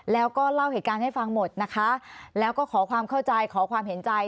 แล้วก็เล่าเหตุการณ์ให้ฟังหมดนะคะแล้วก็ขอความเข้าใจขอความเห็นใจ